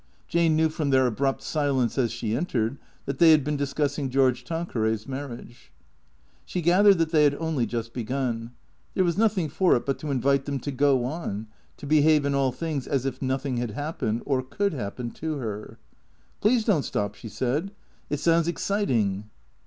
Jane knew from their abrupt silence, as she entered, that they had been discussing George Tanqueray's marriage. She gathered that they had only just begun. There was nothing for it but to invite them to go on, to behave in all things as if nothing had happened, or could happen to her. " Please don't stop," she said, " it sounds exciting."